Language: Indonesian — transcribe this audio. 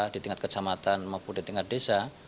di tingkat kecamatan maupun di tingkat desa